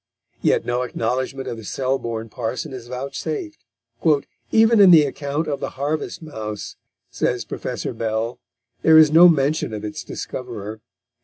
Yet no acknowledgment of the Selborne parson is vouchsafed; "even in the account of the harvest mouse," says Professor Bell, "there is no mention of its discoverer."